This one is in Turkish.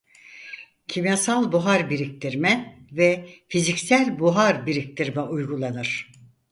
Kimyasal buhar biriktirme ve fiziksel buhar biriktirme uygulanır.